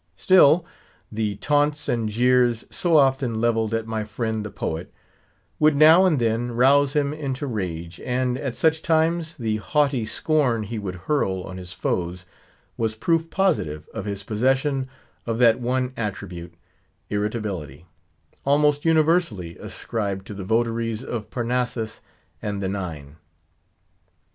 Still, the taunts and jeers so often levelled at my friend the poet, would now and then rouse him into rage; and at such times the haughty scorn he would hurl on his foes, was proof positive of his possession of that one attribute, irritability, almost universally ascribed to the votaries of Parnassus and the Nine.